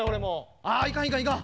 ああいかんいかんいかん。